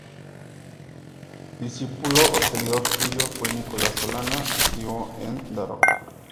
Discípulo o seguidor suyo fue Nicolás Solana, activo en Daroca.